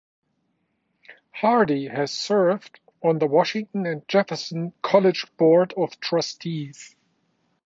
Hardy has served on the Washington and Jefferson College Board of Trustees.